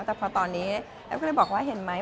แต่พอตอนนี้แอฟก็เลยบอกว่าเห็นไหม